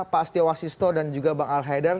pak astio wasisto dan juga bang al haidar